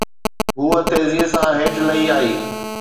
هوءَ تيزيءَ سان هيٺ لهي آئي